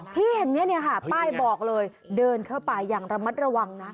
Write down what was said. ที่เห็นเนี่ยค่ะป้ายบอกเลยเดินเข้าไปอย่างระมัดระวังนะ